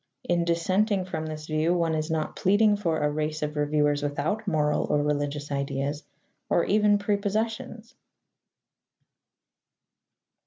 In dissenting from this view, one is not pleading for a race of reviewers without moral or religious ideas, or even prepossessions.